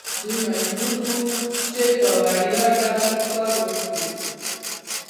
دوی مجبور وو چې په وړیا ډول کار وکړي.